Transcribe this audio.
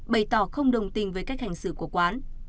bày tỏ không đồng tình với cách hành xử của quán